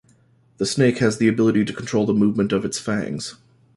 The snake has the ability to control the movement of its fangs.